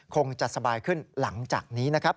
คงจะสบายขึ้นหลังจากนี้นะครับ